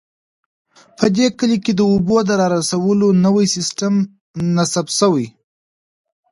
په دې کلي کې د اوبو د رارسولو نوی سیسټم نصب شوی